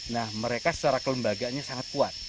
nah mereka secara kelembagaannya sangat kuat